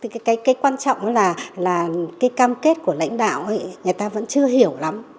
cái quan trọng là là cái cam kết của lãnh đạo thì người ta vẫn chưa hiểu lắm